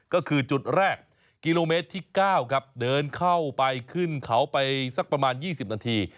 ก็คือจุดแรกกิโลเมตรที่๙ครับเดินเข้าไปขึ้นเขาไปสักประมาณ๒๐นาที